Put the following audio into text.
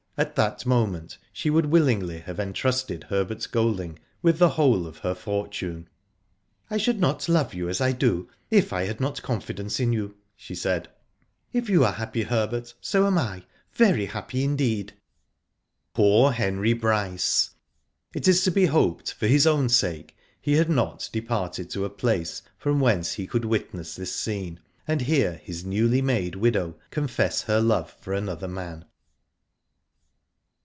At that moment she would willingly have entrusted Herbert Golding with the whole of her fortune. I should not love you as I do if I had not confidence in you," she said. '* If you are happy, Herbert, so am I — very happy indeed." Poor Henry Bryce. It is to be hoped, for hi^ own sake, he had not departed to a place from whence he could witness this scene, and hear hi§ newly made widow confess her love for another man.